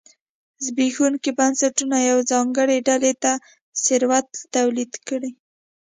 زبېښونکي بنسټونه یوې ځانګړې ډلې ته ثروت تولید کړي.